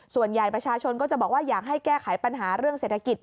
ส่วนใหญ่ประชาชนก็จะบอกว่าอยากให้แก้ไขปัญหาเรื่องเศรษฐกิจ